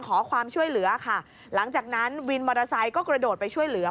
ขอความช่วยเหลือค่ะหลังจากนั้นวินมอเตอร์ไซค์ก็กระโดดไปช่วยเหลือ